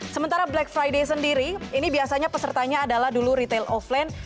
sementara black friday sendiri ini biasanya pesertanya adalah dulu retail offline